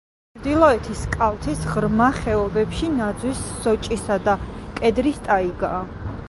ჩრდილოეთის კალთის ღრმა ხეობებში ნაძვის, სოჭისა და კედრის ტაიგაა.